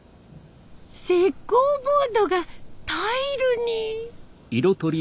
石膏ボードがタイルに。